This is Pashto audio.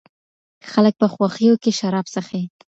خلګ په خوښیو کي شراب څښي.